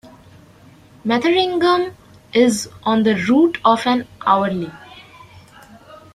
Metheringham is on the route of an hourly.